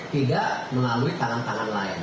tidak melalui tangan tangan lain